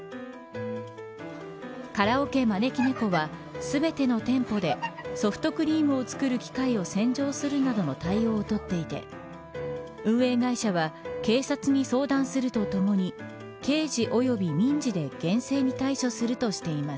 カラオケまねきねこは全ての店舗でソフトクリームを作る機械を洗浄するなどの対応を取っていて運営会社は警察に相談するとともに刑事及び民事で厳正に対処する、としています。